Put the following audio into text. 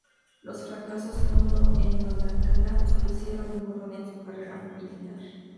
Los fracasos Kondō en Guadalcanal supusieron un borrón en su carrera militar.